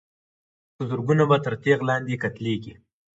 په زرګونو به تر تېغ لاندي قتلیږي